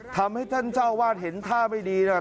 ทำให้ท่านเจ้าอาวาสเห็นท่าไม่ดีนะครับ